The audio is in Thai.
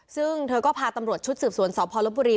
ซึ่งเธอก็พาตำรวจชุดสืบสวนสพลบุรี